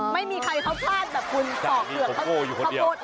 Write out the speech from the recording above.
ไม่มีใครเขาพลาดแบบคุณสอกเปลือกเขาโก้อยู่คนเดียว